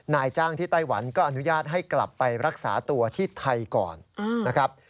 นายจ้างที่ไต้หวันก็อนุญาตให้กลับไปรักษาตัวที่ไทยก่อนนะครับ